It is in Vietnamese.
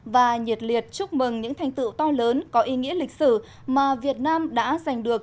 và nhiệt liệt chúc mừng những thành tựu to lớn có ý nghĩa lịch sử mà việt nam đã giành được